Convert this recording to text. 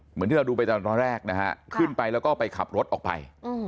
เหมือนที่เราดูไปตอนแรกนะฮะขึ้นไปแล้วก็ไปขับรถออกไป